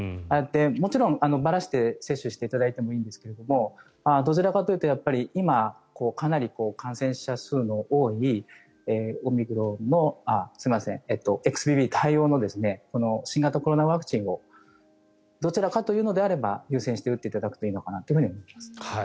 もちろんばらして接種していただいてもいいんですがどちらかというと今、かなり感染者数の多いＸＢＢ対応の新型コロナワクチンをどちらかというのであれば優先して打っていただければいいのかなと思います。